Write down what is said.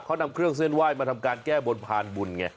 เขานำเครื่องเส้นไหว้มาทำการแก้บนพานบุญไง